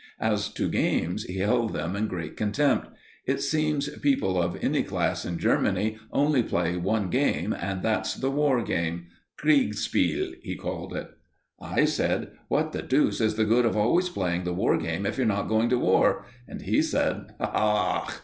As to games, he held them in great contempt. It seems people of any class in Germany only play one game and that's the war game Kriegspiel, he called it. I said: "What the deuce is the good of always playing the war game if you're not going to war?" And he said: "_Ach!